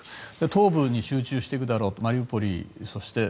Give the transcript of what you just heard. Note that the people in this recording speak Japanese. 東部に集中していくだろうとマリウポリと。